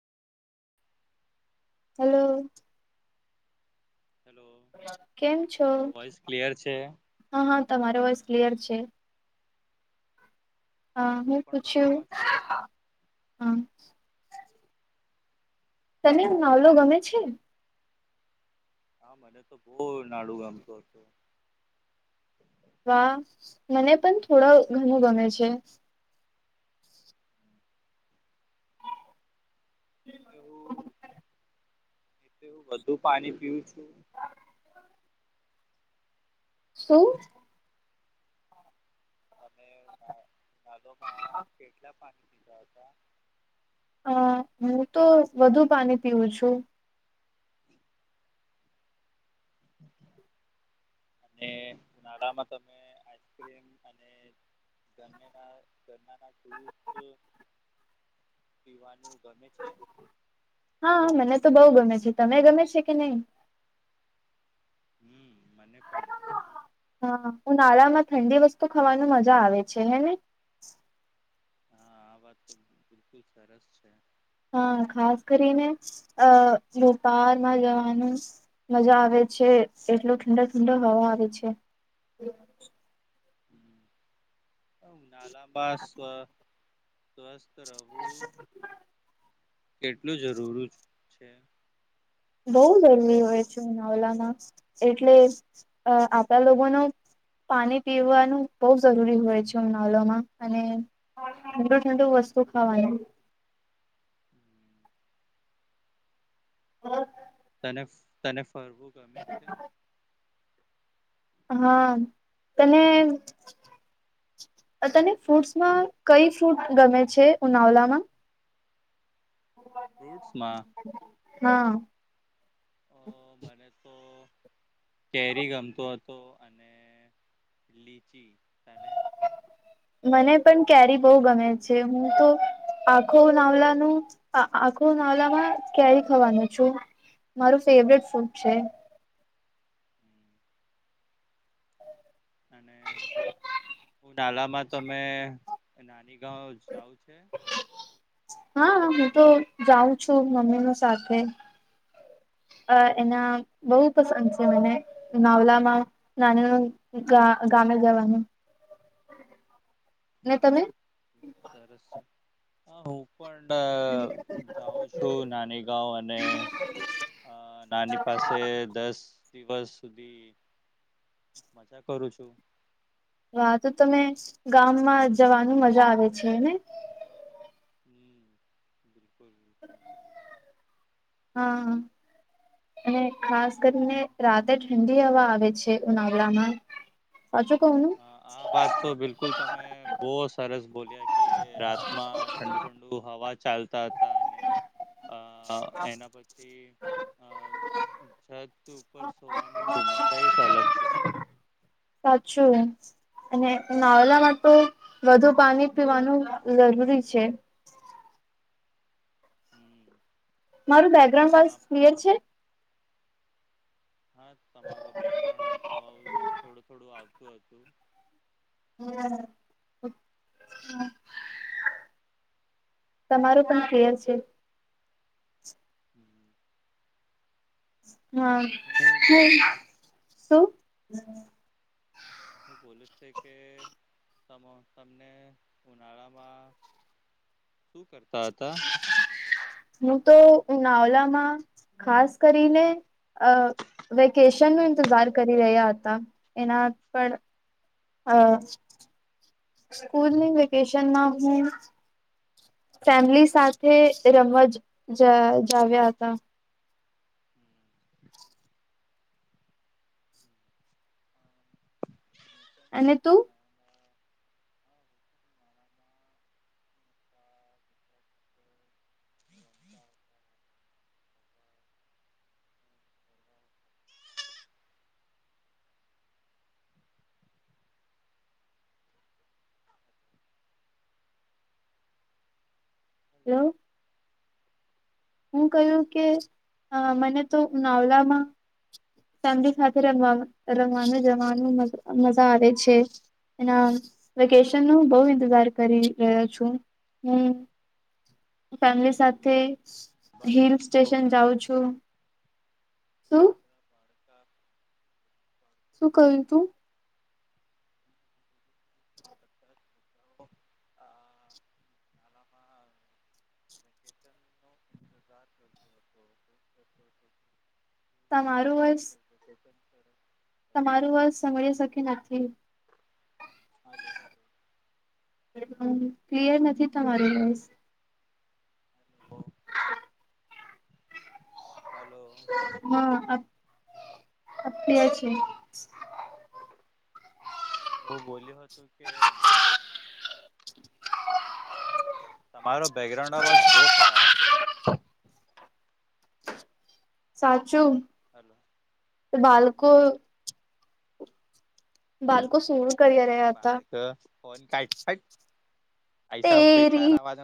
Hello hello કેમ છો મારો વોઇસ ક્લિયર છે હા હા તમારો વોઇસ ક્લિયર છે હા હું પણ પૂછ્યું મજામાં છું હમ તને નોવલો ગમે છે હા મને તો બહ નાડું ગમતું હતું વાહ મને પણ થોડા ઘણું ગમે છે એલે હું વધુ પાણી પીવું છું શું. તમે નાળોમાં કેટલા પાણી પીધા હતા [unintelligible] અ હું તો વધુ પાણી પીવું છું. અનેળામાં તમે આમ અનેરના ના જૂસ પીવાનું. ગમે છે હા મને તો બહ ગમે છે. તમે ગમે છે કે નહી. હમ. મને પણ હા ઉનાળામાં ઠંડી વસ્તુ ખાવાનું મજા આવે છે હે ને. હા આ વાત તો બિલકુલ સરસ છે. હા ખાસ કરીને અ ભોપાલમાં જવાનું મજા આવે છે એટલો ઠંડા ઠંડા હવા આવે છે. નાલાબવ સ્વ રહેવું એ. કેટલું જરૂરી છે. બઉુ હલ્લી હોય છું નવલામાં એટલે અ આપણા લોકોનો પાણી પીવાનું બહ જરૂરી હોય છે ઉમનાલોમાં અને ઠંડુ ઠંડુ વસ્તુ શું ખાવાનું [unintelligible] હમ. તને તને ફરવું ગમે છે. હા તને. તને ફ્રૂટ્સમાં કઈ ફ્રૂટ ગમે છે ઉનાવલામાં ફૂટસમાં. હા. અ બને તો. કેરી ગમતોું હતો અને લીચી તને મને. પણ કેરી બહ ગમે છે હું તો આખો નાવલાનું આખો નાવલામાં ક્યારે ખવાનું છું મારું ફેવટ ફૂડ છે. અને હું નાલામાં તોમે નાની સું છે. હા હું તો જાઉં છું મમ્મીનો સાથે અ એના બહુ પસંદ છે મને માવલામાં નાનું ગ ગામે જવાનું ને હા તમે સરસ છે. પણ જાઉં છું નાની ગં અને અ નાની પાસે દસ દિવસ સુધી મજા કરું છું. હા તો તમે ગામમાં જવાનું મજા આવે છે ને હમ બિલકુલ. બિલકુલ હા. અને ખાસ કરીને રાતેે ઠંડી હવા આવે છે ઉનાવળામાં હ આ વાત તો બિલકુલ તમે બહુ સરસ બોલી કે રાતમાં ઠંડુ ઠંડુ હવા ચાલતા હતા અને અ એના પછી. અ છત ઉપર સોવાનું મજા અલગ છે સાચું. અને નાવલા માટે તો વધુ પાણી પીવાનું જરૂરી છે. હું [inaudible] હું. મારું બેકગ્રાઉન્ડ વા ક્લિયર છે. હા તમારો બેકગ્રાઉન્ડ અવાઉ થોડું થોડું આવતું હતું. હું, હું. તમારું પણ કલિયર છે. હું, હું. હા, હ, શું. હું બોલુંશ કે તમને ઉનાળામાં શું કરે. હું તો નાવલામાં ખાસ કરીને. અ વેકેશન ન ઇંતજાર કરી રહ્યા હતા, એના પર અ સ્કૂલની વેકેશનમાં હું. ફેમિલી સાથે રમવા જાવ્યા હતા. અને તું. હલો. હું કહ્યું કે મને તો નાવલામાં ફેમિલી સાથે રમવા -રમવાનું જવાનું મજા આવે છે. એના વેકેશન ન બહુ ઇંતજાર કરી રહ્યો છું. હું [unintelligible] [inaudible] ફેમિલી સાથે જ. હિલ બધા સ્ટેશન છોકરા જાઉં છું. શું બાળકા બાળક શું બધા કહ્યું તું [unintelligible] કેતન નજાર કર હતો. તમારું વર્ષ. કે વેકેશન હલો તમારું વાત સાંભળી શકી નથી. ક્લિયર નથી તમારોસ. હલો હલો હા અફી છે. હું બોલ્યો હતું, કે મારો બેકગ્રાઉન્ડ અવાજ બહુ ખરાબ છે. સાચું, હલો. તો બાળકો બાળકો શું કરી રહ્યા હતા બાળક ફન કાઈપ કાઈપ ભાઈસાબ બેકાર તેરી આવાજ.